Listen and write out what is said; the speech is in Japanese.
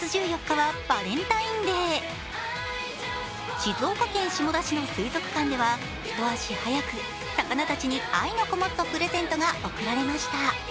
静岡県下田市の水族館では一足早く魚たちに愛のこもったプレゼントが贈られました。